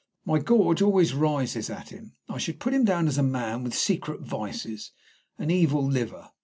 My gorge always rises at him. I should put him down as a man with secret vices an evil liver.